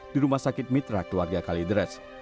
di rumah sakit mitra keluarga kalidres